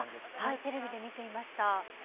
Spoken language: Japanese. テレビで見ていました。